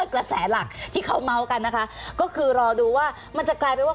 กระแสหลักที่เขาเมาส์กันนะคะก็คือรอดูว่ามันจะกลายเป็นว่า